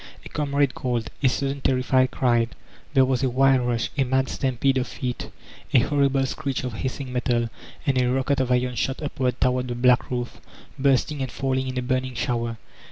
A comrade called, a sudden terrified cry. There was a wild rush, a mad stampede of feet, a horrible screech of hissing metal, and a rocket of iron shot upward toward the black roof, bursting and falling in a burning shower.